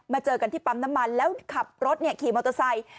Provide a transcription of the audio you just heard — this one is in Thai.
เจอกันที่ปั๊มน้ำมันแล้วขับรถขี่มอเตอร์ไซค์